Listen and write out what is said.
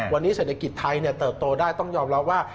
วันนี้เศรษฐกิจไทยเติบโตได้ต้องยอมรับว่า